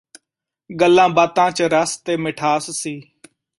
ਗੱਲਾਂ ਬਾਤਾਂ ਚ ਰਸ ਤੇ ਮਿਠਾਸ ਸੀ